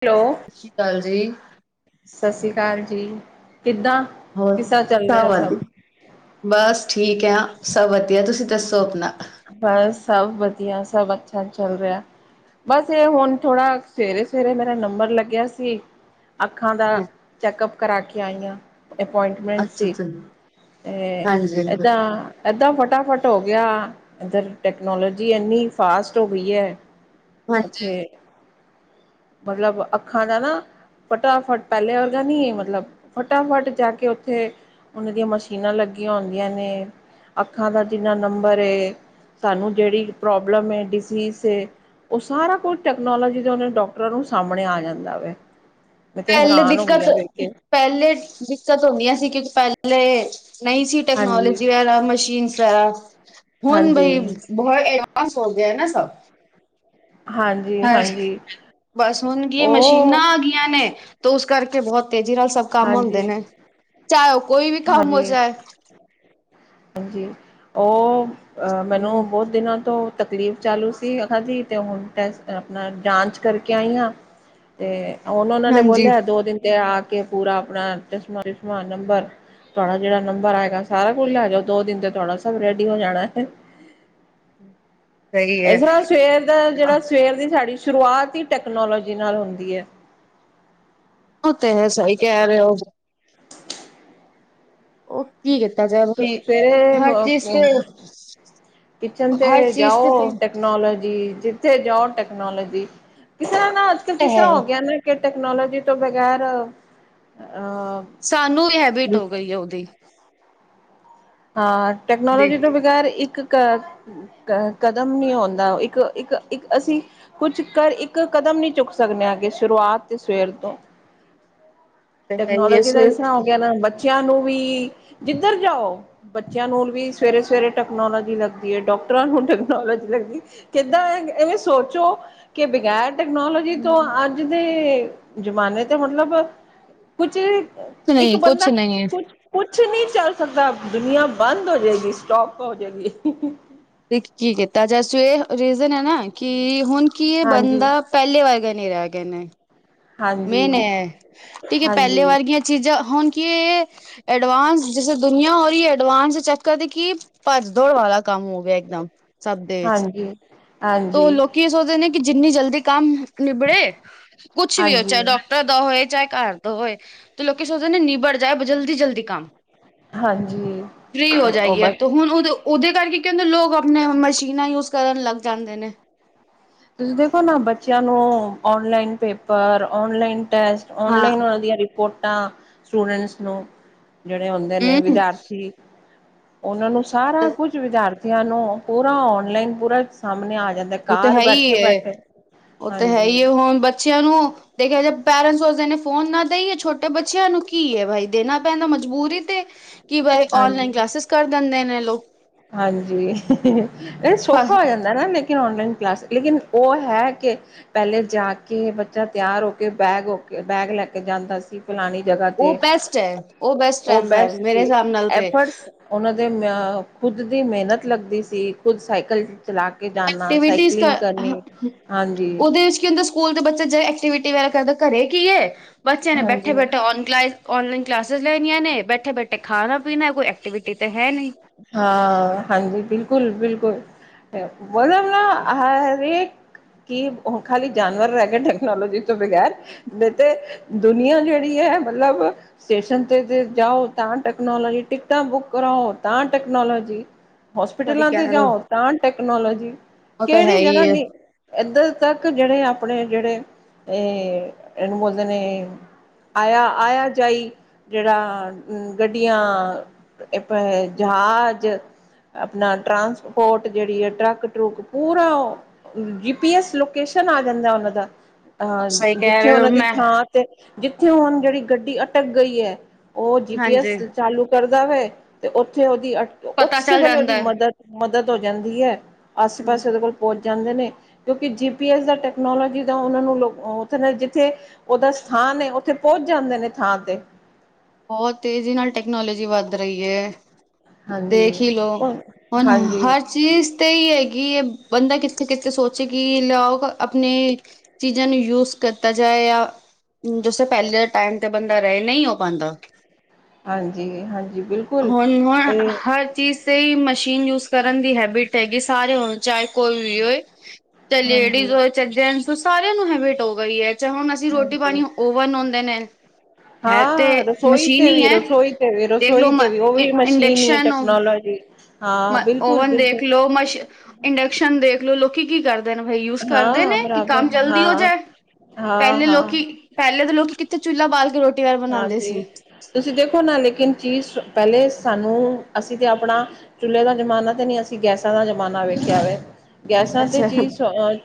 ਪਿਓ। ਸ਼ਸ਼ੀ ਕਾਲ ਜੀ। ਸਸ੍ਰੀ ਕਾਲ ਜੀ, ਕਿੱਦਾਂ? ਹੋਰ, ਕਿਸਾ ਚੱਲ ਤਾਂ ਰਿਹਾ ਵਦ ਸਭ? ਬਸ ਠੀਕ ਆ, ਸਭ ਵਦੀਆ। ਤੁਸੀਂ ਦੱਸੋ ਅਪਨਾ। ਬਸ, ਸਭ ਵਦੀਆ, ਸਭ ਅੱਛਾ ਚੱਲ ਰਿਐ। ਬਸ ਏਅ ਹੁਨ ਥੋੜ੍ਹਾ, ਸਵੇਰੇ-ਸਵੇਰੇ ਮੇਰਾ ਨੰਬਰ ਲੱਗਿਆ ਸੀ ਅੱਖਾਂ ਦਾ, ਚੈੱਕਅਪ ਕਰਾ ਕੇ ਆਈ ਆਂ। ਏ ਪੁਆਇੰਟਮੈਂਟ ਅੱਛਾ ਸੀ, ਅੱਛਾ, 'ਤੇ ਹਾਂਜੀ ਹਾਂਜੀ। ਏਦਾਂ। ਐਦਾਂ ਫਟਾਫਟ ਹੋ ਗਿਆ, ਐੱਧਰ ਟੈਕਨੋਲੋਜੀ ਐੰਨੀ ਫਾਸਟ ਹੋ ਗਈ ਐ। ਹਾਂਜੀ, ਉੱਥੇ, ਮਤਲਬ ਅੱਖਾਂ ਦਾ ਨਾ ਫਟਾਫਟ, ਪੈਲੇ ਵਰਗਾ ਨੀ ਏ ਮਤਲਬ, ਫਟਾਫਟ ਜਾ ਕੇ ਉੱਥੇ ਉਨਾਂ ਦੀਆਂ ਮਸ਼ੀਨਾਂ ਲੱਗੀਆਂ ਹੁੰਂਦੀਆਂ ਨੇ। ਅੱਖਾਂ ਦਾ ਜਿੰਨਾ ਨੰਬਰ ਏ, ਤੁਹਾਨੂੰ ਜੇੜੀ ਪ੍ਰੋਬਲਮ ਏ ਡਿਸੀਸ ਏ। ਉਹ ਸਾਰਾ ਕੁਝ ਟੈਕਨੋਲੋਜੀ ਦਾ ਉਹਨਾ ਨੂੰ ਡਾਕਟਰਾਂ ਨੂੰ ਸਾਹਮਣੇ ਆ ਜਾਂਦਾ ਵੇ। ਪਹਿਲੇ ਦਿੱਕਤ -ਪਹਿਲੇ ਦਿੱਕਤ ਹੁੰਦੀਆਂ ਸੀ, ਕਿਉਂਕਿ ਪਹਿਲੇ ਨਹੀਂ ਸੀ ਹਾਂਜੀ ਟੈਕਨੋਲੋਜੀ ਆਲਾ ਮਸ਼ੀਨ ਸਾਰਾ, ਹੁਣ ਹਾਂਜੀ ਬਈ ਬਹੁਤ ਐਡਵਾਂਸ ਹੋ ਗਿਆ ਹੈ ਨਾ ਸਭ। ਹਾਂਜੀ। ਹਸ਼ ਹਾਂਜੀ ਬਸ ਹੁਣ ਕੀ ਇਹ ਉਹ ਮਸ਼ੀਨਾਂ ਆ ਗਈਆਂ ਨੇ, ਤਾਂ ਉਸ ਕਰਕੇ ਬਹੁਤ ਤੇਜ਼ੀ ਨਾਲ ਸਭ ਕੰਮ ਹੁੰਦੇ ਹਾਂਜੀ ਨੇ, ਚਾਹੇ ਉਹ ਕੋਈ ਵੀ ਕੰਮ ਹੋ ਜਾਏ। ਹਾਂਜੀ, ਉਹ ਆ ਮੈਨੂੰ ਨਾ ਹਮ, ਬਹੁਤ ਦਿਨਾਂ ਤੋਂ ਤਕਲੀਫ਼ ਚਾਲੂ ਸੀ, ਹਾਂਜੀ ਤੇ ਹੁਣ ਤਾਂ ਆਪਣਾ ਜਾਂਚ ਕਰਕੇ ਆਈ ਆ ਤੇ ਹੁਣ ਉਹਨਾਂ ਨੇ ਹਾਂਜੀ। ਬੋਲਿਆ ਦੋ ਦਿਨ ਤੇ ਆ ਕੇ ਪੂਰਾ ਆਪਣਾ ਚਸ਼ਮਾ- ਚੁਸ਼ਮਾ ਨੰਬਰ ਤੁਹਾਡਾ ਜਿਹੜਾ ਨੰਬਰ ਆਏਂਗਾ ਸਾਰਾ ਕੁਝ ਲੈ ਜਾਓ। ਦੋ ਦਿਨ ਤੇ ਤੁਹਾਡਾ ਸਾਰਾ ਕੁਝ ਰੈਡੀ ਹੋ ਜਾਣੈ। ਸਹੀ ਹੈ। ਇਸ ਤਰ੍ਹਾਂ ਸਵੇਰ ਦਾ ਜਿਹੜਾ ਸਵੇਰ ਦੀ ਸਾਡੀ ਸ਼ੁਰੂਆਤ ਹੀ ਟੈਕਨੋਲੋਜੀ ਨਾਲ ਹੁੰਦੀ ਏ। ਓਹ ਤੇ ਹੈ, ਸਹੀ ਕਹਿ ਰਹੇ ਹੋ। ਉਹ ਕੀ ਕੀਤਾ ਜਾਏ ਬਈ ਸਵੇਰੇ ਹਰ ਚੀਜ਼ ਮੋਕੋ ਤੇ ਕਿਚਨ ਹਰ ਤੇ ਚੀਜ਼ ਤੇ ਜਾਓ ਤੇ ਟੈਕਨੋਲੋਜੀ ਜਦ ਥੇ ਜਾਓ ਟੈਕਨੋਲੋਜੀ, ਇਸ ਤਰ੍ਹਾਂ ਨਾ ਅੱਜ ਕੱਲ੍ਹ ਨਾਲ ਕਿਸ ਹੈ ਤਰ੍ਹਾਂ ਹੀ। ਹੋ ਗਿਆ ਤੇ ਟੈਕਨੋਲੋਜੀ ਤੋਂ ਬਗ਼ੈਰ ਅ ਆ ਸਾਨੂੰ ਵੀ ਹੈਬਿਟ ਹੋ ਗਈ ਹੈ ਉਹਦੀ। ਹਾਂ ਟੈਕਨੋਲੋਜੀ ਤੋਂ ਬਗੈਰ ਇੱਕ ਕ ਕ ਕਦਮ ਨੀ ਆਉਂਦਾ, ਇੱਕ -ਇੱਕ- ਇੱਕ ਅਸੀਂ ਕੁਛ ਕਰ ਇੱਕ ਕਦਮ ਨੀ ਚੁੱਕ ਸਕਦੇ ਹੈਗੇ ਸ਼ੁਰੂਆਤ ਤੇ ਸਵੇਰ ਤੋਂ ਸਹੀ ਟੈਕਨੋਲੋਜੀ ਦਾ ਸਵੇਰੇ ਇਸ ਤਰ੍ਹਾਂ ਕੁਛ ਹੋ ਗਿਆ ਨਾ ਬੱਚਿਆਂ ਨੂੰ ਵੀ ਜਿੱਧਰ ਜਾਓ। ਬੱਚਿਆਂ ਨੂੰ ਵੀ ਸਵੇਰੇ -ਸਵੇਰੇ ਟੈਕਨੋਲੋਜੀ ਲੱਗਦੀ ਏ, ਡਾਕਟਰਾਂ ਨੂੰ ਟੈਕਨੋਲੋਜੀ ਲੱਗਦੀ ਏ। ਕਿੱਦਾਂ ਐ ਇਹ ਸੋਚੋ ਕਿ ਬਗ਼ੈਰ ਟੈਕਨੋਲੋਜੀ ਤੋਂ ਅੱਜ ਦੇ ਜ਼ਮਾਨੇ ਤੋਂ ਮਤਲਬ ਕੁਛ ਇੱਕ ਨਹੀਂ ਕੁਛ ਬੰਦਾ ਨਹੀਂ ਹੈ ਕੁਛ ਕੁਛ ਨਹੀਂ ਚੱਲ ਸਕਦਾ, ਦੁਨੀਆਂ ਬੰਦ ਹੋ ਜਾਏਗੀ ਸਟੋਪ ਹੋ ਜਾਏਗੀ। ਕੀ ਕੀਤਾ ਜਾਏ ਸ ਇਹ ਰੀਜ਼ਨ ਹੈ ਨਾ ਕਿ ਹੁਣ ਕੀ ਇਹ ਹਾਂਜੀ ਬੰਦਾ ਪਹਿਲੇ ਵਰਗੇ ਨੀ ਰਹਿ ਗਏ ਨੇ। ਹਾਂਜੀ ਮੇਨ ਏ, ਠੀਕ ਹੈ ਹਾਂਜੀ ਪਹਿਲੇ ਵਰਗੀਆਂ ਚੀਜ਼ਾਂ ਹੁਣ ਕੀ ਏ ਐਡਵਾਂਸ ਜੈਸੇ ਦੁਨੀਆਂ ਹੋ ਰਹੀ ਹੈ, ਐਡਵਾਂਸ ਚੈੱਕ ਕਰਦੀ ਕਿ ਭੱਜ ਦੌੜ ਵਾਲਾ ਕੰਮ ਹੋ ਗਿਆ ਇੱਕਦਮ ਸਭ ਦੇ ਵਿੱਚ। ਹੀ। ਤ ਲੋਕੀ ਇਹ ਸੋਚਦੇ ਨੇ ਕਿ ਜਿੰਨੀ ਜਲਦੀ ਕੰਮ ਨਿਬੜੇ ਕੁਛ ਵੀ ਹੋ ਚੇ ਹਾਂਜੀ ਡਾ ਦਾ ਹੋਏ ਚਾਹੇ ਘਰ ਦਾ ਹੋਏ, ਤੇ ਲੋਕ ਸੋਚਦੇ ਨੇ ਨਿਬੜ ਜਾਏ ਜਲਦੀ- ਜਲਦੀ ਕੰਮ। ਹਾਂਜੀ ਫਰੀ ਹੋ ਉਹ ਜਾਈਏ, ਬਸ ਤੇ ਹੁਣ ਉਹਦੋਂ ਉਹਦੇ ਕਰਕੇ ਕਹਿੰਦੇ ਲੋਕ ਆਪਣੇ ਆਪ ਮਸ਼ੀਨਾਂ ਯੂਜ ਕਰਨ ਲੱਗ ਜਾਂਦੇ ਨੇ। ਤੁਸੀਂ ਦੇਖੋ ਨਾ ਬੱਚਿਆਂ ਨੂੰ ਓਨਲਾਈਨ ਪੇਪਰ ਓਨਲਾਈਨ ਟੈਸਟ। ਹਾਂ ਔਨਲਾਈਨ ਉਹਨਾਂ ਦੀਆਂ ਰਿਪੋਰਟਾਂ, ਸਟੂਡੈਂਟਸ ਨੂੰ ਜਿਹੜੇ ਹੁੰਦੇ ਨੇ ਹਮ ਵਿਦਿਆਰਥੀ। ਉਹਨਾਂ ਨੂੰ ਸਾਰਾ ਕੁਝ ਵਿਚਾਰ ਬੱਚਿਆਂ ਨੂੰ ਪੂਰਾ ਔਨਲਾਈਨ ਪੂਰਾ ਸਾਹਮਣੇ ਆ ਜਾਂਦਾ, ਉਹ ਤੇ ਹੈ ਘਾਰ ਹੀ ਉਹ ਤੇ ਹੈ ਹੀ ਹੁਣ ਬੱਚਿਆਂ ਨੂੰ ਦੇਖਿਆ ਜੇ ਪੇਰੈਂਟਸ ਸੋਚਦੇ ਨੇ ਫੋਨ ਨਾ ਦੇਈਏ ਛੋਟੇ ਬੱਚਿਆਂ ਨੂੰ, ਕੀ ਹੈ ਬਾਈ ਦੇਣਾ ਪੈਂਦਾ ਮਜਬੂਰੀ ਤੇ। ਕਿ ਬਾਈ ਹਾਂਜੀ, ਔਨਲਾਈਨ ਕਲਾਸਿਸ ਕਰ ਦਿੰਦੇ ਨੇ ਲੋਕ। ਹਾਂਜੀ, ਸੌਖਾ ਹੋ ਜਾਂਦਾ ਲੇਕਿਨ ਔਨਲਾਈਨ ਕਲਾਸ ਲੇਕਿਨ ੳਹ ਹੈ ਕੇ ਪੈਲੇ ਜਾ ਕੇ ਬੱਚਾ ਤੇਆਰ ਹੋ ਕੇ, ਬੈਗ ਹੋ ਕੇ, ਬੈਗ ਲੈ ਕੇ ਜਾਂਦਾ ਸੀ। ਫਲਾਣੀ ਜਗਾ ਉਹ ਤੇ ਬੈਸਟ ਹੈ ਉਹ ਬੈਸਟ ੳਹ ਰਹਿੰਦਾ ਹੈ ਬੈਸਟ ਮੇਰੇ ਸੀ ਹਿਸਾਬ ਨਾਲ ਤੇ ਐਫ੍ਟਸ ੳਨਾਂ ਦੇ ਮ ਖੁਦ ਦੀ ਮੇਹਨਤ ਲੱਗਦੀ ਸੀ, ਖੁਦ ਸਾਈਕਲ ਚਲਾ ਕੇ ਜਾਨਾ, ਐਕਟੀਵਿਟੀਜ਼ ਸਾਈਕਲਿੰਗ ਕਰਨੀ ਹਾਂਜੀ। ਏਰੇ ਚ ਕੀ ਹੁੰਦਾ ਸਕੂਲ ਤੇ ਬੱਚਾ ਜੇ ਐਕਟੀਵਿਟੀ ਵਗੈਰਾ ਕਰਦਾ, ਘਰੇ ਕੀ ਏ ਬੱਚੇ ਨੇ ਬੈਠੇ ਹਾਂਜੀ ਬੈਠੇ ਔਨ ਕਲਾਇਸ ਔਨਲਾਈਨ ਕਲਾਸਿਸ ਲੈਣੀਆਂ ਨੇ, ਬੈਠੇ ਬੈਠੇ ਖਾਨਾ-ਪੀਨਾ, ਕੋਈ ਐਕਟੀਵਿਟੀ ਤੇ ਹੈ ਨਈ। ਹਾਂ ਹਾਂਜੀ, ਬਿਲਕੁਲ-ਬਿਲਕੁਲ। ਬੋਲੋ ਨਾ ਹਰੇਕ ਕਿ ੳਹ ਖਾਲੀ ਜਾਨਵਰ ਰੈਗੇ ਟੈਕਨੋਲਜੀ ਤੋ ਬਗੈਰ ਨਈ ਤੇ ਦੁਨੀਆਂ ਜੇੜੀ ਐ, ਮਤਲਬ ਸਟੇਸ਼ਨ ਤੇ ਜਾਓ ਤਾਂ ਟੈਕਨੋਲਜੀ, ਟਿਕਟਾਂ ਬੁੱਕ ਕਰਾਓ ਤਾਂ ਟੈਕਨੋਲੋਜੀ ਸਹੀ ਹੋਸਪਿਟਲਾਂ ਕਹਿ ਤੇ ਰਹੇ ਜਾਓ ਹੋ ਤਾਂ ਟੈਕਨੋਲੋਜੀ, ਉਹ ਤਾਂ ਹੈ ਕੇੜੀ ਜਗਾ ਹੀ ਹੈ ਨਈ ਏਦਰ ਤੱਕ ਜੇੜੇ ਅਪਨੇ ਜੇੜੇ ਏ ਏਨੂੰ ਬੋਲਦੇ ਨੇ ਆਯਾ, ਆਯਾ-ਜਾਈ ਜੇੜਾ ਗੱਡੀਆਂ ਜਹਾਜ ਅਪਨਾ ਟਰਾਂਸਪੋਰਟ ਜੇੜੀ ਆ ਟ੍ਰਕ ਟੁਰਕ ਪੂਰਾ ੳਹ ਜੀ ਪੀ ਐਸ ਲੋਕੇਸ਼ਨ ਆ ਜਾਂਦਾ ੳਨਾ ਦਾ, ਸਹੀ ਕਹਿ ਜਿੱਥੇ ਰਹੇ ਹੋ ੳਨਾ ਦੀ ਮੈਂ ਥਾਂ ਜਿੱਥੇ ਹੁਣ ਜੇੜੀ ਗੱਡੀ ਅਟਕ ਗਈ ਏ, ੳਹ ਜੀ ਪੀ ਐਸ ਹਾਂਜੀ ਚਾਲੂ ਕਰਦਾ ਵੇ ਤੇ ੳਥੇ ੳਦੀ ਅਟਕ ਪਤਾ ੳਸੇ ਚੱਲ ਵੇਲੇ ੳਦੀ ਜਾਂਦਾ ਹੈ ਮਦਦ ਮਦਦ ਹੋ ਜਾਂਦੀ ਐ, ਆਸੇ ਹਮ ਪਾਸੇ ੳਦੇ ਕੋਲ ਪਹੁੰਚ ਜਾਂਦੇ ਨੇ ਕਿਉਂਕਿ ਜੀ ਪੀ ਐਸ ਦਾ ਟੈਕਨੋਲੋਜੀ ਦਾ ੳਨਾ ਨੂੰ ਲੋਕ ੳਥੇ ਨੇ ਜਿੱਥੇ ੳਦਾ ਸਥਾਨ ਏ ੳਥੇ ਪੋੰਚ ਜਾਂਦੇ ਨੇ ਥਾਂ ਤੇ। ਬੋਤ ਤੇਜੀ ਨਾਲ ਟੈਕਨੋਲੋਜੀ ਵੱਧ ਰਈ ਏ। ਹਾਂਜੀ ਦੇਖ ਈ ਦੋ, ਹੁਨ ਹਾਂਜੀ ਹਰ ਚੀਜ ਤੇ ਏਹੀ ਹੈਗੀ ਏ ਬੰਦਾ ਕਿੱਥੇ-ਕਿੱਥੇ ਸੋਚੇ ਕਿ ਲੋ ਅਪਨੇ ਚੀਜਾ ਨੂੰ ਯੂਜ ਕੀਤਾ ਜਾਏ ਯਾ ਜੈਸੇ ਪੈਲੇ ਟਾਈਮ ਤੇ ਬੰਦਾ ਰਏ, ਨਈ ਹੋ ਪਾਂਦਾ। ਹਾਂਜੀ ਹਾਂਜੀ, ਬਿਲਕੁਲ। ਹੁਨ, ਹੁਨ ਤੇ ਹਰ ਚੀਜ ਤੇ ਮਸ਼ੀਨ ਯੂਜ ਕਰਨ ਦੀ ਹੈਬਿਟ ਹੈਗੀ ਸਾਰੇ ਹੋਨ ਚਾਏ ਕੋਈ ਵੀ ਹੋਏ ਤੇ ਚਾਏ ਹਾਂਜੀ, ਲੇਡੀਜ ਹੋਏ ਚਾਏ ਜੈਂਟਸ ਹੋ ਸਾਰੇਆਂ ਨੂੰ ਹੈਬਿਟ ਹੋ ਗਈ ਏ। ਅਛਾ, ਹੁਨ ਅਸੀ ਰੋਟੀ ਹਾਂਜੀ ਪਾਨੀ ਔਵਨ ਹੁੰਦੇ ਨੇ। ਹੈ ਤੇ ਹਾਂ ਰਸੋਈ ਮਸ਼ੀਨ ਤੇ ਈ ਵੀ, ਐ। ਰਸੋਈ ਤੇ ਵੀ, ਦੇਖ ਲੋ ਰਸੋਈ ਮ ਤੇ ਵੀ ਉਹ ਵੀ ਮਸ਼ੀਨ ਹੀ ਹੈ ਇੰਡਕਸ਼ਨ ਟੈਕਨੋਲੋਜੀ ਹਾਂ। ਮ ਬਿਲਕੁਲ, ਔਵਨ ਬਿਲਕੁਲ ਦੇਖ ਲੋ, ਮਸੀ਼ ਇੰਡਕਸ਼ਨ ਦੇਖ ਲੋ, ਲੋਕੀ ਕੀ ਕਰਦੇ ਬਈ ਯੂਜ ਕਰਦੇ ਨੇ ਹਾਂ ਕਿ ਬਰਾਬਰ ਕੰਮ ਜਲਦੀ ਹੋ ਹਾਂ, ਜਾਏ, ਹਾਂ, ਪੈਲੇ ਲੋਕੀ ਹਾਂ। ਪੈਲੇ ਦੇ ਲੋਕੀ ਕਿੱਥੇ ਚੁੱਲ੍ਹਾ ਬਾਲ ਕੇ ਰੋਟੀ ਵਾਰ ਬਣਾਉਂਦੇ ਹਾਂਜੀ ਸੀ ਤੁਸੀ ਦੇਖੋ ਨਾ ਲੇਕਿਨ ਚੀਜ ਪੈਲੇ ਸਾਨੂੰ ਅਸੀ ਤੇ ਅਪਨਾ ਚੁੱਲੇ ਦਾ ਜਮਾਨਾ ਤੇ ਨਈ, ਅਸੀ ਗੈਸਾਂ ਦਾ ਜ਼ਮਾਨਾ ਵੇਖੇਆ ਵੇ, ਗੈਸਾਂ ਤੇ ਅੱਛਾ ਚੀਜ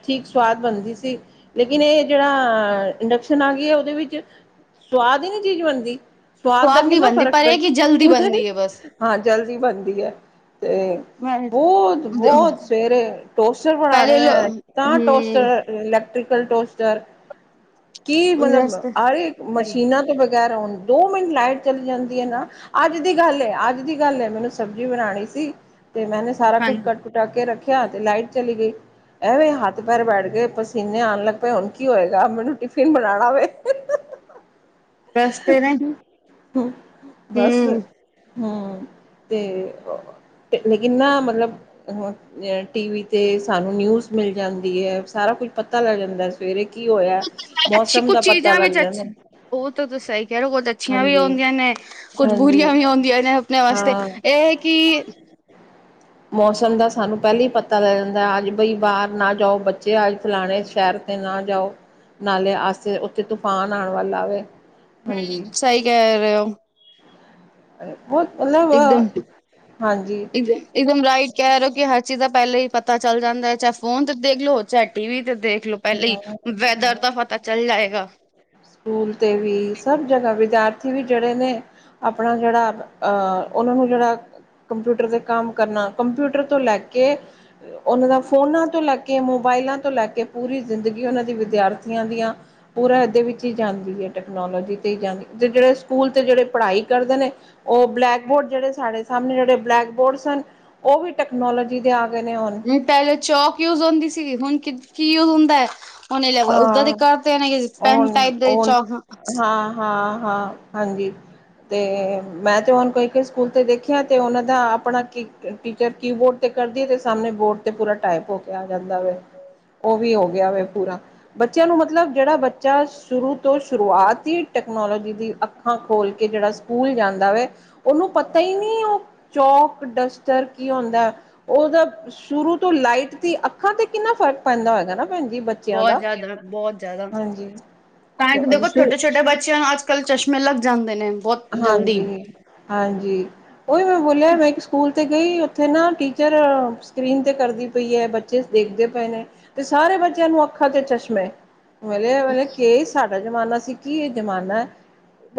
ਚੀਜ ਸਵਾਦ ਬਨਦੀ ਸੀ, ਲੇਕਿਨ ਏਹ ਜੇੜਾ ਇੰਡਕਸ਼ਨ ਆ ਗਈ ਐ, ੳਦੇ ਵਿੱਚ ਸਵਾਦ ਈ ਨੀ ਚੀਜ ਬਨਦੀ, ਸਵਾਦ ਦਾ ਨੀ ਕਿਨਾ ਬਣਦੀ ਫਰਕ ਪਰ ਪਏ ਇਹ ਕਿ ਜਲਦੀ ਬਣਦੀ ਹੈ ਬਸ ਹਾਂ ਜਲਦੀ ਬਨਦੀ ਏ ਤੇ ਬੋਤ-ਬੋਤ, ਸਵੇਰੇ ਟੋਸਟਰ ਬਨਾਨੇ ਐ ਤਾਂ ਟੋਸਟਰ ਇਲੇਕਟ੍ਰਿਕਲ ਟੋਸਟਰ ਕੀ ਮਤਲਬ ਆ ਈ ਮਸ਼ੀਨ ਤੋਂ ਬਗੈਰ, ਹੁਣ ਦੋ ਮਿੰਟ ਲਾਈਟ ਚਲੀ ਜਾਂਦੀ ਐ ਨਾ ਅੱਜ ਦੀ ਗੱਲ ਏ, ਅੱਜ ਦੀ ਗੱਲ ਏ, ਮੈਨੂੰ ਸਬਜ਼ੀ ਬਣਾਣੀ ਸੀ ਤੇ ਮੈਨੇ ਸਾਰਾ ਕੁੱਝ ਹਾਂਜੀ ਕੱਟ ਟ ਕੇ ਰੱਖੇਆ ਤੇ ਲਾਈਟ ਚਲੀ ਗਈ। ਐਵੇਂ ਹੱਥ ਪੈਰ ਬੈਠ ਗਏ, ਪਸੀਨੇ ਆਨ ਲੱਗ ਪਏ ਹੁਨ ਕੀ ਹੋਏਗਾ ਮੈਨੂੰ ਟਿਫਿਨ ਬਣਾਣਾ ਵੇ। ਰਸਤੇ ਨੇ ਬਸ ਹੂੰ ਹੂੰ, ਤੇ ਓ ਲੇਕਿਨ ਨਾ ਮਤਲਬ [unintelligible] ਟੀ ਵੀ ਤੇ ਸਾਨੂੰ ਨਿਊਜ਼ ਮਿਲ ਜਾਂਦੀ ਐ ਸਾਰਾ ਕੁਝ ਪਤਾ ਲੱਗ ਜਾਂਦੈ। ਸਵੇਰੇ ਕੀ ਹੋਏਆ, ਮੌਸਮ ਦਾ ਪਤਾ ਲੱਗ ਜਾਂਦਾ। ਓ ਤਾਂ ਤੁ ਸਈ ਕੈ ਰੇ ਓ ਤੇ ਅੱਛੀਆਂ ਵੀ ਹਾਂਜੀ, ਆਉਦੀਆਂ, ਨੇ ਕੁਝ ਹਾਂਜੀ ਬੁਰੀਆਂ ਵੀ ਆਉਦੀਆਂ ਨੇ ਅਪਨੇ ਵਾਸਤੇ ਹਾਂ ਏ ਹੈ ਕਿ ਮੌਸਮ ਦਾ ਸਾਨੂੰ ਪੈਲੇ ਹੀ ਪਤਾ ਲੱਗ ਜਾਂਦਾ ਅੱਜ ਬਈ ਬਾਰ ਨਾ ਜਾਓ ਬੱਚੇ ਅੱਜ ਫਲਾਣੇ ਸ਼ੈਰ ਤੇ ਨਾ ਜਾਓ, ਨਾਲੇ ਆਸੇ ਓਥੇ ਤੂਫਾਨ ਆਣ ਵਾਲਾ ਵੇ ਹਾਂਜੀ। ਸਈ ਕੈ ਰੇ ਓ। ਬੋਤ ਮਤਲਬ ਹਾਂਜੀ। ਇਕਦਮ ਰਾਈਟ ਕੈ ਰੇ ਓ ਕਿ ਹਰ ਚੀਜ਼ ਦਾ ਪੈਲੇ ਹੀ ਪਤਾ ਚੱਲ ਜਾਂਦਾ ਐ, ਚਾਹੇ ਫੋਨ ਤੇ ਦੇਖ ਲੋ, ਚਾਹੇ ਟੀਵੀ ਤੇ ਦੇਖ ਲੋ। ਪੈਲੇ ਈ ਹਾਂ ਵੈਦਰ ਹਾਂ ਦਾ ਪਤਾ ਚੱਲ ਜਾਏਗਾ। ਸਕੂਲ 'ਤੇ ਵੀ ਸਭ ਜਗ੍ਹਾ ਵਿਦਿਆਰਥੀ ਵੀ ਜੇੜੇ ਨੇ ਆਪਣਾ ਜੇੜਾ ਅਹ ਓਨਾਂ ਨੂੰ ਜੇੜਾ ਕੰਪਿਊਟਰ ਤੇ ਕੰਮ ਕਰਨਾ, ਕੰਪਿਊਟਰ ਤੋਂ ਲੈ ਕੇ ਓਨਾਂ ਦਾ ਫੋਨਾਂ ਤੋਂ ਲੈ ਕੇ, ਮੋਬਾਇਲਾਂ ਤੋਂ ਲੈ ਕੇ ਪੂਰੀ ਜ਼ਿੰਦਗੀ ਓਨਾਂ ਦੀ ਵਿਦਿਆਰਥੀਆਂ ਦੀਆਂ ਪੂਰਾ ਏਦੇ ਵਿੱਚ ਈ ਜਾਂਦੀ ਏ ਟੈਕਨੋਲੋਜੀ ਤੇ ਈ ਜਾਂਦੀ ਤੇ ਜੇੜੇ ਸਕੂਲ ਤੇ ਜੇੜੇ ਪੜ੍ਹਾਈ ਕਰਦੇ ਨੇ ਓ ਬਲੈਕ ਬੋਰਡ ਜੇੜੇ ਸਾਡੇ ਸਾਮਣੇ ਜੇੜੇ ਬਲੈਕ ਬੋਰਡ ਸਨ ਓ ਵੀ ਟੈਕਨੋਲੋਜੀ ਦੇ ਆ ਗਏ ਨੇ ਹੋਨ। ਪੈਲੇ ਚੌਕ ਯੂਜ ਹੁੰਦੀ ਸੀਗੀ ਹੁਨ ਕੀ ਕੀ ਯੂਜ ਹੁੰਦਾ ਐ। ਹੁਨ [unintelligible] ਉਦਾਂ ਦੇ ਹਾਂ ਕਰਤੇ ਨੇ ਪੈਨ ਹੁਣ ਟਾਈਪ ਦੇ ਹੁਣ ਚੌਕ। ਹਾਂ ਹਾਂ, ਹਾਂ ਹਾਂਜੀ। ਤੇ ਮੈਂ ਤੇ ਹੁਨ ਕੋਈ ਕੋਈ ਸਕੂਲ ਤੇ ਦੇਖਿਆ ਤੇ ਓਨਾਂ ਦਾ ਆਪਣਾ ਕੀ ਟੀਚਰ ਕੀਬੋਰਡ ਤੇ ਕਰਦੀ ਏ ਤੇ ਸਾਮਣੇ ਬੋਰਡ ਤੇ ਪੂਰਾ ਟਾਈਪ ਹੋ ਕੇ ਆ ਜਾਂਦਾ ਵੇ। ਓ ਵੀ ਹੋ ਗਯਾ ਵੇ ਪੂਰਾ। ਬੱਚੇਆਂ ਨੂੰ ਮਤਲਬ ਜੇੜਾ ਬੱਚਾ ਸ਼ੁਰੂ ਤੋਂ ਸ਼ੁਰੂਆਤ ਈ ਟੈਕਨੋਲੋਜੀ ਦੀ ਅੱਖਾਂ ਖੋਲ੍ਹ ਕੇ ਜੇੜਾ ਸਕੂਲ ਜਾਂਦਾ ਵੇ ਓਨੂੰ ਪਤਾ ਈ ਨਈ ਓ ਚੌਕ ਡਸਟਰ ਕੀ ਹੋਂਦੈ ਓਦਾ ਸ਼ੁਰੂ ਤੋਂ ਲਾਈਟ ਦੀ ਅੱਖਾਂ ਤੇ ਕਿੰਨਾ ਫ਼ਰਕ ਪੈਂਦਾ ਹੋਏਗਾ ਨਾ ਭੈਣ ਜੀ ਬਚ ਬੋਤ ਜਾਦਾ, ਬੋਤ ਜਾਦਾ। ਹਾਂਜੀ। ਤਾਈਂ ਤੇ ਦੇਖੋ ਛੋਟੇ-ਛੋਟੇ ਬੱਚੇਆਂ ਨੂੰ ਅੱਜ-ਕੱਲ ਚਸ਼ਮੇ ਲੱਗ ਜਾਂਦੇ ਨੇ ਬੋਤ ਜਲਦੀ। ਹਾਂਜੀ। ਓਈ ਮੈਂ ਬੋਲੇਆ ਮੈਂ ਇੱਕ ਸਕੂਲ ਤੇ ਗਈ ਓਥੇ ਨਾ ਟੀਚਰ ਸਕਰੀਨ ਤੇ ਕਰਦੀ ਪਈ ਐ ਬਚ ਚੇ ਦੇਖਦੇ ਪਏ ਨੇ ਤੇ ਸਾਰੇ ਬੱਚੇ ਆਂ ਨੂੰ ਅੱਖਾਂ ਤੇ ਚਸ਼ਮੇ [unintelligible] ਕੇ ਐ ਸਾਡਾ ਜ਼ਮਾਨਾ ਸੀ ਕੀ ਏ ਜ਼ਮਾਨਾ ਐ।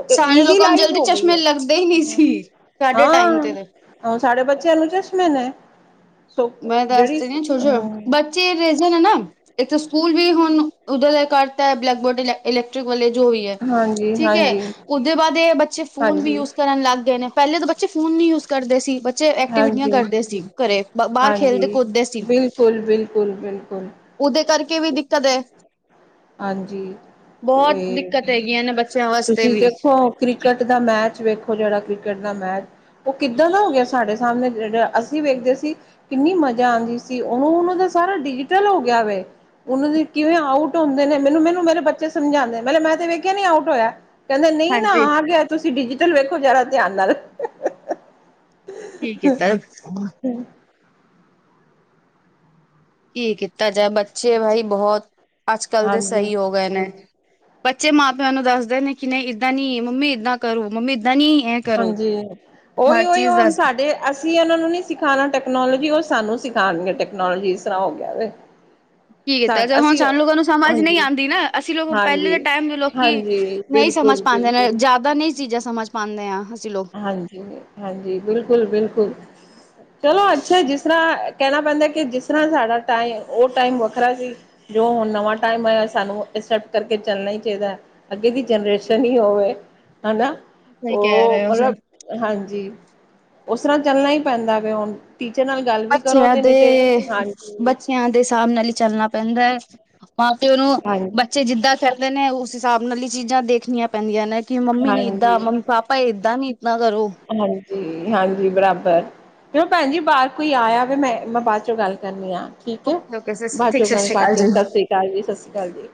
ਅ ਸਾਡੇ ਈਜ਼ੀ ਲੋਕਾਂ ਨੂੰ ਲਾਈਫ ਜਲਦੀ ਹੋ ਗਈ ਚਸ਼ਮੇ ਏ ਲੱਗਦੇ ਹੀ ਨਹੀਂ ਸੀ ਸਾਡੇ ਟਾਈਮ ਹਾਂ। ਤੇ ਤੇ ਹੁਨ ਸਾਡੇ ਬੱਚੇਆਂ ਨੂੰ ਚਸ਼ਮੇ ਨੇ। ਸੋ ਮੈਂ ਦੱਸ ਜਿਹੜੀ ਤੇ ਰਈ ਛੋ ਛੋ ਬਚ ਚੇ ਰੇਂਜਨ ਹੈ ਨਾ ਏਥੇ ਸਕੂਲ ਵੀ ਹੁਨ ਓਦਾਂ ਦਾ ਕਰਤਾ ਬਲੈਕ ਬੋਰਡ ਇਲੈਕ ਇਲੈਕਟ੍ਰਿਕ ਵਾਲੇ। ਜੋ ਵੀ ਐ, ਹਾਂਜੀ ਠੀਕ ਐ ਹਾਂਜੀ ਓਦੇ ਬਾਦ ਏ ਬੱਚੇ ਫੋਨ ਵੀ ਹਾਂਜੀ ਯੂਜ ਕਰਨ ਲੱਗ ਗਏ ਨੇ। ਪਹਿਲੇ ਤਾਂ ਬੱਚੇ ਫ਼ੋਨ ਨਹੀਂ ਯੂਜ ਕਰਦੇ ਸੀ ਬੱਚੇ ਐਕਟੀਵਿਟੀਆਂ ਹਾਂਜੀ ਕਰਦੇ ਸੀ ਘਰੇ ਬਾਹਰ ਖੇਲਦੇ ਹਾਂਜੀ ਕੁਦਦੇ ਸੀ ਬਿਲਕੁਲ ਬਿਲਕੁਲ ਬਿਲਕੁਲ ਉਹਦੇ ਕਰਕੇ ਵੀ ਦਿੱਕਤ ਹੈ ਹਾਂਜੀ ਬਹੁਤ ਏ ਦਿੱਕਤ ਹੈਗੀਆਂ ਨੇ ਬੱਚਿਆਂ ਵਾਸਤੇ ਤੁਸੀਂ ਵੀ ਦੇਖੋ ਕ੍ਰਿਕਟ ਦਾ ਮੈਚ ਵੇਖੋ ਜਿਹੜਾ ਕ੍ਰਿਕਟ ਦਾ ਮੈਚ ਉਹ ਕਿੱਦਾਂ ਦਾ ਹੋ ਗਿਆ ਸਾਡੇ ਸਾਹਮਣੇ ਜਿਹੜਾ ਅਸੀਂ ਵੇਖਦੇ ਸੀ ਕਿੰਨੀ ਮਜ਼ਾ ਆਉਂਦੀ ਸੀ ਉਹਨੂੰ ਉਹਨਾਂ ਦਾ ਸਾਰਾ ਡਿਜੀਟਲ ਹੋ ਗਿਆ ਵ ਉਹਨਾਂ ਦੀ ਕਿਵੇਂ ਆਉ ਆਊਟ ਹੁੰਦੇ ਨੇ ਮੈਨੂੰ ਮੈਨੂੰ ਮੇਰੇ ਬੱਚੇ ਸਮਝਾਂਦੇ ਮ ਮੈਂ ਤੇ ਵੇਖਿਆ ਨੀ ਆਊਟ ਹੋਇਆ ਕਹਿੰਦੇ ਨਹੀਂ ਨਾ ਹਾਂਜੀ ਆ ਤੁਸੀਂ ਡਿਜੀਟਲ ਵੇਖੋ ਜ਼ਰਾ ਧਿਆਨ ਨਾਲ ਠੀਕ ਏ ਸਰ ਹਮ ਕੀ ਕੀਤਾ ਜਾਏ ਬੱਚੇ ਬਾਈ ਬਹੁਤ ਅੱਜ ਕੱਲ ਦੇ ਹਾਂਜੀ ਸਹੀ ਹੋ ਗਏ ਨੇ ਬੱਚੇ ਮਾਂ ਪਿਓ ਨੂੰ ਦੱਸਦੇ ਨੇ ਕਿ ਨਹੀਂ ਇੱਦਾਂ ਨੀ ਮੰਮੀ ਏਦਾਂ ਕਰੋ ਮੰਮੀ ਏਦਾਂ ਨੀ ਇਹ ਕਰੋ ਹਾਂਜੀ ਹਰ ਓਹੀ ਓਹੀ ਚੀਜ਼ ਹੁਣ ਦੱਸ ਸਾਡੇ ਅਸੀਂ ਉਹਨਾਂ ਨੂੰ ਨੀ ਸਿਖਾਉਣਾ ਟੈਕਨੋਲੋਜੀ ਉਹ ਸਾਨੂੰ ਸਿਖਾਉਣਗੇ ਟੈਕਨੋਲੋਜੀ ਇਸ ਤਰ੍ਹਾਂ ਹੋ ਗਿਆ ਕੀ ਸਾ ਕੀਤਾ ਜ ਹੁਣ ਅਸੀਂ ਸਾਨੂੰ ਲੋਕਾਂ ਨੂੰ ਸਮਝ ਨਹੀਂ ਹਾਂਜੀ, ਆਦੀ ਨਾ ਅਸੀਂ ਲੋਕ ਪਹਿਲੇ ਹਾਂਜੀ, ਦੇ ਟਾਈਮ ਦੇ ਲੋਕੀ ਹਾਂਜੀ ਨਹੀਂ ਸਮਝ ਬਿਲਕੁਲ, ਪਾਂਦੇ ਨੇ ਬਿਲਕੁਲ ਜ਼ਿਆਦਾ ਨਹੀਂ ਚੀਜ਼ਾਂ ਸਮਝ ਪਾਂਦੇ ਹਾਂ ਅਸੀਂ ਲੋਕ ਹਾਂਜੀ ਹਾਂਜੀ ਬਿਲਕੁਲ ਬਿਲਕੁਲ ਚਲੋ ਅੱਛਾ ਜਿਸ ਤਰ੍ਹਾਂ ਕਹਿਣਾ ਪੈਂਦਾ ਕਿ ਜਿਸ ਤਰ੍ਹਾਂ ਸਾਡਾ ਟਾਈਮ ਉਹ ਟਾਈਮ ਵੱਖਰਾ ਸੀ ਜੋ ਹੁਣ ਨਵਾਂ ਟਾਈਮ ਆਇਆ ਸਾਨੂੰ ਐਕਸੈਪਟ ਕਰਕੇ ਚੱਲਣਾ ਹੀ ਚਾਹੀਦਾ ਹੈ ਅੱਗੇ ਦੀ ਜਨਰੇਸ਼ਨ ਹੀ ਹੋਵੇ ਹਨਾ ਸਹੀ ਕਹਿ ਉਹ ਰਹੇ ਹੋ ਸਹੀ ਮਤਲਬ ਹਾਂਜੀ ਉਸ ਤਰ੍ਹਾਂ ਚੱਲਣਾ ਹੀ ਪੈਂਦਾ ਕਿ ਹੁਣ ਟੀਚਰ ਨਾਲ ਗੱਲ ਵੀ ਕਰੋ ਬੱਚਿਆਂ ਤੇ ਨਹੀਂ ਤੇ ਦੇ ਹਾਂਜੀ, ਬੱਚਿਆਂ ਦੇ ਹਿਸਾਬ ਨਾਲ ਹੀ ਚੱਲਣਾ ਪੈਂਦਾ ਹੈ ਮਾ ਪਿਉ ਨੂੰ ਹਾਂਜੀ, ਬਚਿਆ ਚੇ ਜਿੱਦਾਂ ਕਰਦੇ ਨੇ ਉਸ ਹਿਸਾਬ ਨਾਲ ਹੀ ਚੀਜ਼ਾਂ ਦੇਖਣੀਆਂ ਪੈਂਦੀਆਂ ਨੇ ਕਿ ਮੰਮੀ ਨੀ ਏਦਾਂ ਹਾਂਜੀ ਮੰਮੀ ਪਾਪਾ ਏਦਾਂ ਨੀ ਇੱਦਾਂ ਕਰੋ ਹਾਂਜੀ ਬਰਾਬਰ ਚ ਭੈਣ ਜੀ ਬਾਹਰ ਕੋਈ ਆਇਆ ਮੈਂ ਮੈਂ ਬਾਅਦ ਚੋਂ ਗੱਲ ਕਰਨੀ ਹ ਠੀਕ ਹੈ ਓਕੇ ਓਕੇ ਬਾਦ ਠੀਕ ਚੋ ਸਤਿ ਗੱਲ ਸ਼੍ਰੀ ਅਕਾਲ ਕਰਦੀ ਜੀ ਸਤਿ ਸ੍ਰੀ ਅਕਾਲ ਜੀ ਸਤਿ ਸ਼੍ਰੀ ਅਕਾਲ ਜੀ